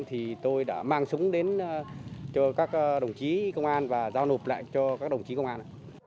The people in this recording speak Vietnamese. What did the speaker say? thì tôi đã mang súng đến cho các đồng chí công an và giao nộp lại cho các đồng chí công an